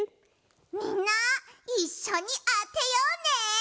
みんないっしょにあてようね。